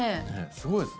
すごいですね。